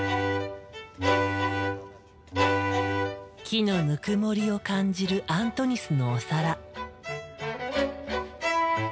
木のぬくもりを感じるアントニスのお皿。